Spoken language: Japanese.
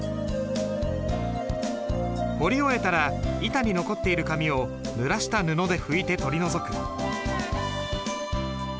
彫り終えたら板に残っている紙をぬらした布で拭いて取り除く。